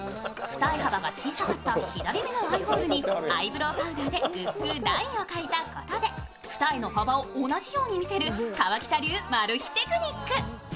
二重幅が小さかった左目のアイホールにアイブロウパウダーで薄くラインを引いたことで二重の幅を同じように見せる河北流マル秘テクニック。